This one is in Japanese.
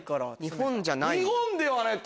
日本じゃない？